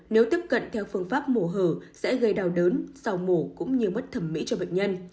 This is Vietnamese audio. nếu tiếp cận theo phương pháp mổ hở sẽ gây đau đớn sau mổ cũng như mất thẩm mỹ cho bệnh nhân